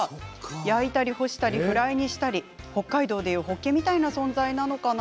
焼いたり干したりフライにしたり北海道でいうホッケみたいな存在なのかな